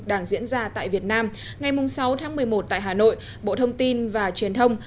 đang diễn ra tại việt nam ngày sáu tháng một mươi một tại hà nội bộ thông tin và truyền thông